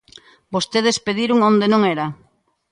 ¡Vostedes pediron onde non era!